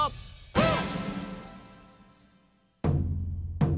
うん！